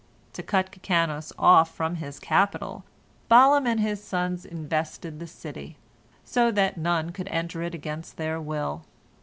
To cut Kikanos off from his capital, Balaam and his sons invested the city, so that none could enter it against their will.